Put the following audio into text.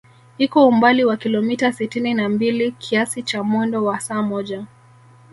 Iko umbali wa kilomita sitini na mbili kiasi cha mwendo wa saa moja